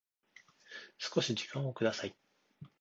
少し時間をください